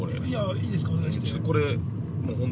◆いいですか。